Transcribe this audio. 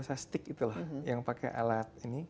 itu glukosa stick itulah yang pakai alat ini